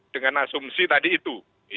dengan asumsi tadi itu